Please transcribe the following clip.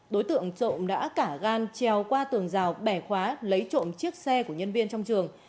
đối tượng trộm đã cả gan treo qua tường rào bẻ khóa lấy trộm chiếc xe của nhân viên trong trường